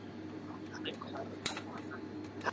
حتی تر مرګ وروسته.